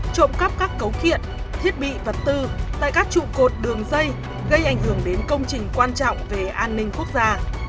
trộm cắp các cấu kiện thiết bị vật tư tại các trụ cột đường dây gây ảnh hưởng đến công trình quan trọng về an ninh quốc gia